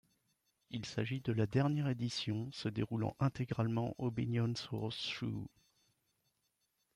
Il s'agit de la dernière édition se déroulant intégralement au Binion's Horseshoe.